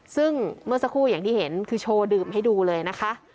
ซึ่งเมื่อสักครู่อย่างที่เห็นคือโชว์ดื่มให้ดูเลยนะคะ